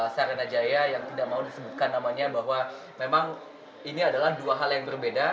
sarena jaya yang tidak mau disebutkan namanya bahwa memang ini adalah dua hal yang berbeda